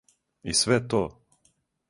И све то?